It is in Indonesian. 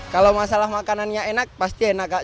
kalau masalah makanannya enak pasti enak kak